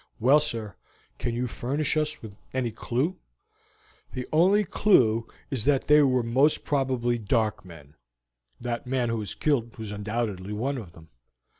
"Well, sir, can you furnish us with any clew?" "The only clew is that they were most probably dark men. That man who was killed was undoubtedly one of them.